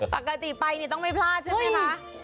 ปกติไปต้องไม่พลาดใช่ไหมคะ